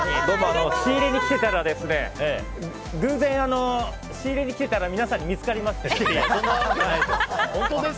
仕入れに来てたら偶然、仕入れにきてたら皆さんに見つかりまして。